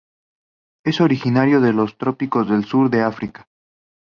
Es originario de los trópicos del sur de África.